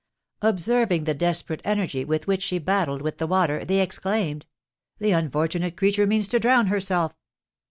Observing the desperate energy with which she battled with the water, they exclaimed: "The unfortunate creature means to drown herself!"